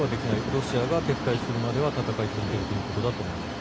ロシアが撤退するまでは戦い続けるということだと思います。